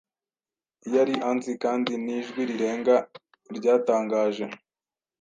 yari anzi, kandi nijwi rirenga ryatangaje